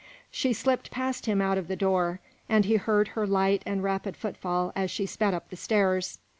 She slipped past him out of the door, and he heard her light and rapid footfall as she sped up the stairs.